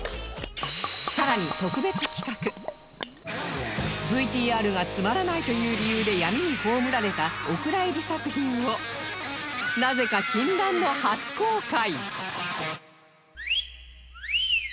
更にＶＴＲ がつまらないという理由で闇に葬られたお蔵入り作品をなぜか禁断の初公開